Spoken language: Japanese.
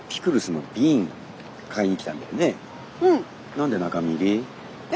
何で中身入り？え？